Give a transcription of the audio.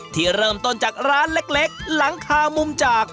ที่เริ่มต้นจากร้านเล็กหลังคามุมจาก